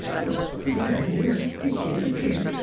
... Good land! did I stick you with a pin